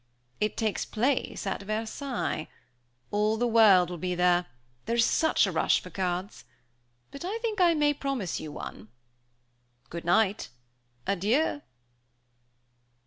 It takes place at Versailles all the world will be there; there is such a rush for cards! But I think I may promise you one. Good night! Adieu!"